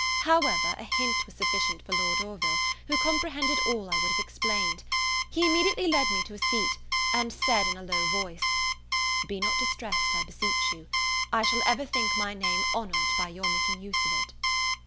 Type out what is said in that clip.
However, a hint was sufficient for Lord Orville, who comprehended all I would have explained. He immediately led me to a seat, and said in a low voice, "Be not distressed, I beseech you: I shall ever think my name honoured by your making use of it."